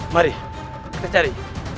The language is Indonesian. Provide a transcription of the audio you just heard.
mari kita cari